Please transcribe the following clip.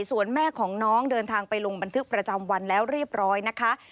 ส่วนแม่ของน้องเดินทางไปลงบันทึกประจำวันแล้วเรียบร้อยนะคะ